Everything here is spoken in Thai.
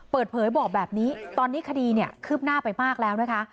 เปิดเผยบอกแบบนี้ตอนนี้คดีเนี่ยคืบหน้าไปมากแล้วนะคะ